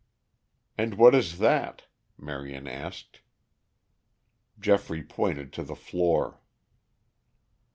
"And what is that?" Marion asked. Geoffrey pointed to the floor.